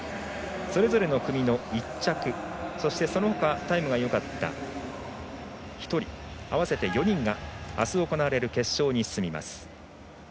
それぞれの組の１着、そのほかタイムがよかった１人合わせて４人があす行われる決勝に進みます。